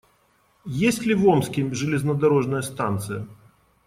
Есть ли в Омске железнодорожная станция?